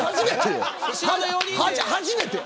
初めてよ。